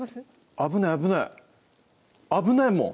危ない危ない危ないもん！